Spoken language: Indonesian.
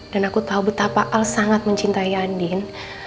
dan aku tau betapa al sangat mencintai andin